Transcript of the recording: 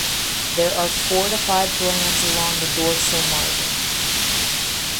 There are four to five glands along the dorsal margin.